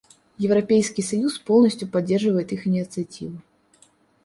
Европейский союз полностью поддерживает их инициативу.